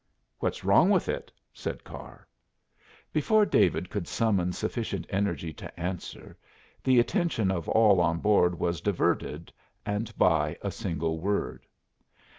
"What's wrong with it?" said Carr. Before David could summon sufficient energy to answer, the attention of all on board was diverted, and by a single word.